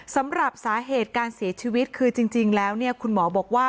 สำหรับสาเหตุการเสียชีวิตคือจริงแล้วเนี่ยคุณหมอบอกว่า